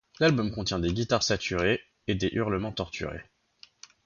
L'album contient des guitares saturées, et des hurlements torturés.